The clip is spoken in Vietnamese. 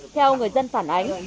theo người dân phản ánh